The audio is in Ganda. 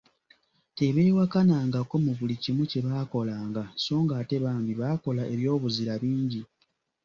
Tebeewaanangako mu buli kimu kye baakolanga so ng'ate bambi baakola eby'obuzira bingi.